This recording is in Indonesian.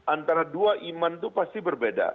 antara dua iman itu pasti berbeda